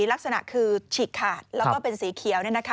ลักษณะคือฉีกขาดแล้วก็เป็นสีเขียว